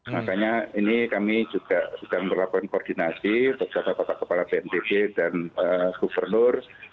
makanya ini kami juga sedang melakukan koordinasi bersama bapak kepala bnpb dan gubernur